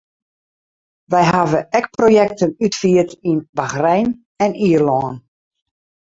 Wy hawwe ek projekten útfierd yn Bachrein en Ierlân.